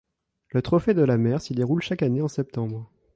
Le Trophée de la Mer s'y déroule chaque année en septembre.